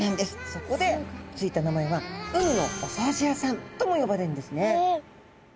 そこで付いた名前は海のお掃除屋さんとも呼ばれるんですね。